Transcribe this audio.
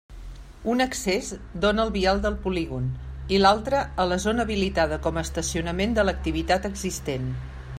Un accés dóna al vial del polígon i l'altre a la zona habilitada com a estacionament de l'activitat existent.